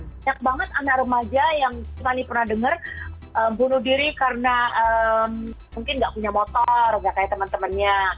banyak banget anak remaja yang mana pernah dengar bunuh diri karena mungkin nggak punya motor nggak kayak teman temannya